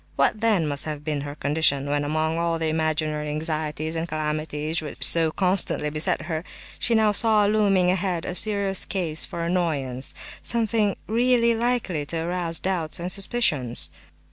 What then must have been her condition, when, among all the imaginary anxieties and calamities which so constantly beset her, she now saw looming ahead a serious cause for annoyance—something really likely to arouse doubts and suspicions!